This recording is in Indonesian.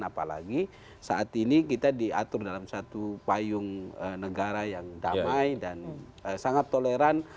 apalagi saat ini kita diatur dalam satu payung negara yang damai dan sangat toleran